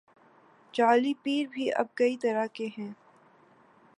جعلی پیر بھی اب کئی طرح کے ہیں۔